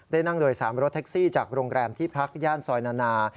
ได้นั่งโดย๓รถแท็กซี่จากโรงแรมที่พักย่านซอยนานา